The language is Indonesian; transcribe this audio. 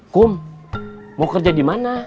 kum mau kerja di mana